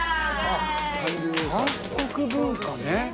韓国文化ね。